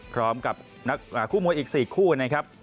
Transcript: พร้อมกับนักคู่มวยอีก๔คู่นะครับ